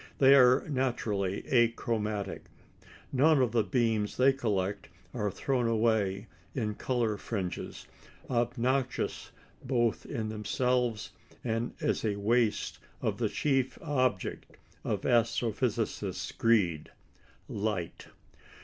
They are naturally achromatic. None of the beams they collect are thrown away in colour fringes, obnoxious both in themselves and as a waste of the chief object of astrophysicists' greed light.